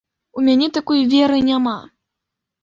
У мяне такой веры няма.